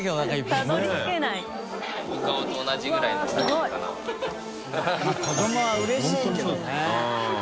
劼匹發うれしいけどね。